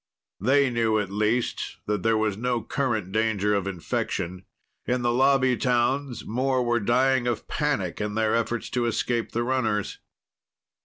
They knew, at least, that there was no current danger of infection. In the Lobby towns, more were dying of panic in their efforts to escape the runners.